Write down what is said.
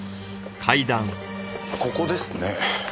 ここですね。